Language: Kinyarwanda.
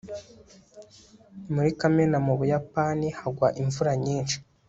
muri kamena mu buyapani hagwa imvura nyinshi